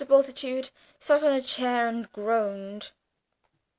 Bultitude sat on a chair and groaned.